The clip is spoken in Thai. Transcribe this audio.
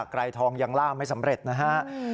ไกรทองยังล่าไม่สำเร็จนะฮะ